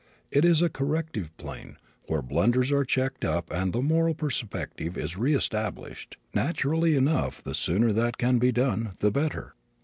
It is a corrective plane, where blunders are checked up and the moral perspective is re established. Naturally enough the sooner that can be done the better.